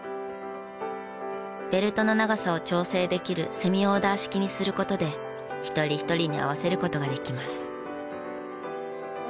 ベルトの長さを調整できるセミオーダー式にする事で一人一人に合わせる事ができます。